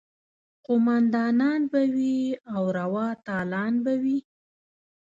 قوماندانان به وي او روا تالان به وي.